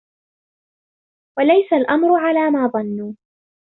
وَلَيْسَ الْأَمْرُ عَلَى مَا ظَنُّوا